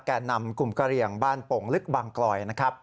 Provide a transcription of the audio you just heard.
แก่นำกลุ่มกะเหลี่ยงบ้านโป่งลึกบางกลอยนะครับ